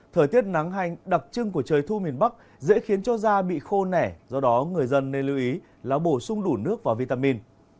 thời tiết nắng hành đặc trưng của trời thu miền bắc dễ khiến cho da bị khô nẻ do đó người dân nên lưu ý là bổ sung đủ nước và vitamin